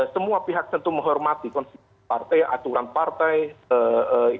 semua pihak tentu menghormati konstitusi partai aturan partai